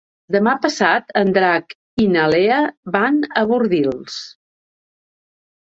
Demà passat en Drac i na Lea van a Bordils.